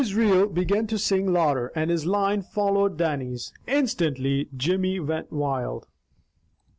Jimmy's reel began to sing louder, and his line followed Dannie's. Instantly Jimmy went wild.